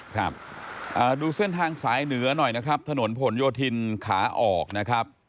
ครับดูเส้นทางสายเหนือหน่อยนะครับถนนผลโยธินขาออกนะครับ